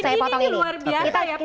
ini luar biasa ya